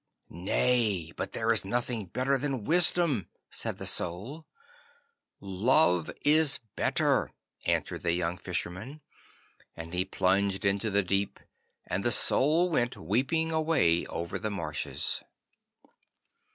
'Nay, but there is nothing better than Wisdom,' said the Soul. 'Love is better,' answered the young Fisherman, and he plunged into the deep, and the Soul went weeping away over the marshes.